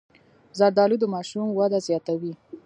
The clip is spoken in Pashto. زردالو د ماشوم وده زیاتوي.